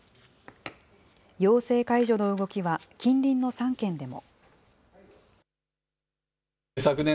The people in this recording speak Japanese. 要請解除の動きは、近隣の３県でも。